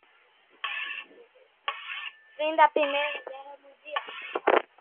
Fim da Primeira Guerra Mundial